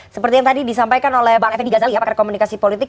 seperti yang tadi disampaikan oleh pak fedy gazali ya pak karyakomunikasi politik